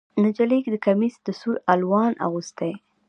نجلۍ کمیس د سور الوان اغوستی